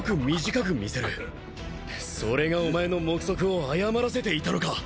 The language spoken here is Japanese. それがお前の目測を誤らせていたのか！